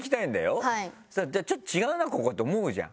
そしたらちょっと違うなここって思うじゃん。